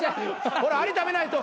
ほらアリ食べないと。